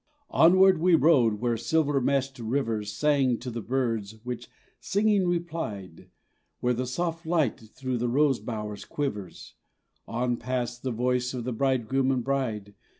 Onward we rode, where silver meshed rivers Sang to the birds which singing replied, Where the soft light through rose bowers quivers, On past the voice of the bridegroom and bride.